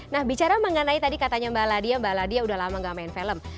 nah bicara mengenai tadi katanya mbak ladia mbak ladiah udah lama gak main film